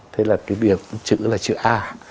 thế là cái biểu chữ là chữ a